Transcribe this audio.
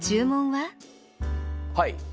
はい。